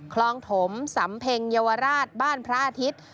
คลองถมสำเพ็งเยาวราชบ้านพระอาทิตย์